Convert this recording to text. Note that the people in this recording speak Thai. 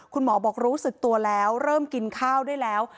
คุณหมอบอกรู้สึกตัวแล้วเริ่มกินข้าวได้แล้ว